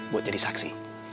buat jadi saksi